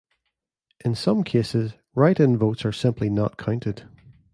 In some cases, write-in votes are simply not counted.